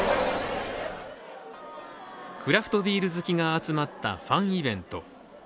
クラフトビール好きが集まったファンイベント。